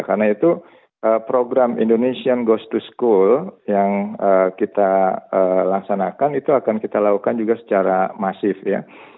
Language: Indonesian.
karena itu program indonesian goes to school yang kita laksanakan itu akan kita lakukan juga secara masif ya